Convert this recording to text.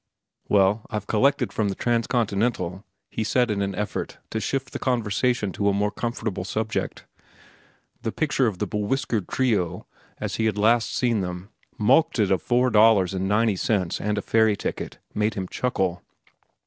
"Well, I've collected from the Transcontinental," he said in an effort to shift the conversation to a more comfortable subject. The picture of the bewhiskered trio, as he had last seen them, mulcted of four dollars and ninety cents and a ferry ticket, made him chuckle.